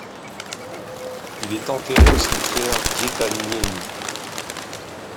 Il est enterré au Cimetière d'Hietaniemi.